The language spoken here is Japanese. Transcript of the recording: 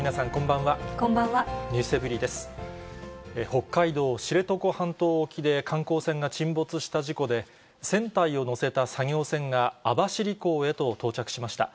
北海道知床半島沖で、観光船が沈没した事故で、船体を載せた作業船が網走港へと到着しました。